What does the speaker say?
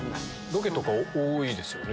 ロケとか多いですよね。